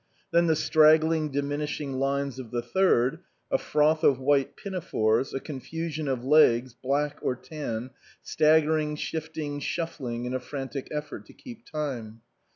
Then the straggling, diminishing lines of the Third, a froth of white pinafores, a confusion of legs, black or tan, staggering, shifting, shuffling in a frantic effort to keep time.